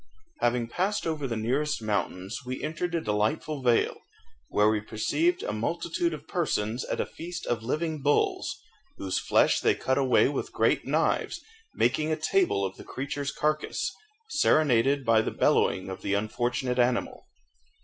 _ Having passed over the nearest mountains we entered a delightful vale, where we perceived a multitude of persons at a feast of living bulls, whose flesh they cut away with great knives, making a table of the creature's carcase, serenaded by the bellowing of the unfortunate animal.